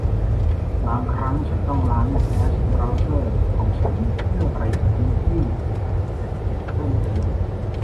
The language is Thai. บางครั้งฉันต้องล้างแคชเบราว์เซอร์ของฉันเพื่อประหยัดพื้นที่จัดเก็บเพิ่มเติม